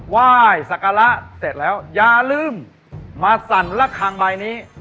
ไหว้สักการะเสร็จแล้วอย่าลืมมาสั่นละคังใบนี้